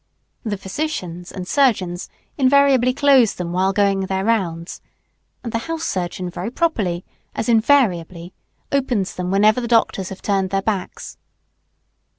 The physicians and surgeons invariably close them while going their rounds; and the house surgeon very properly as invariably opens them whenever the doctors have turned their backs.